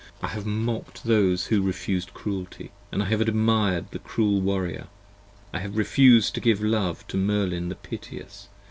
8 1 I HAVE mock'd those who refused cruelty, & I have admired The cruel Warrior, I have refused to give love to Merlin the piteous.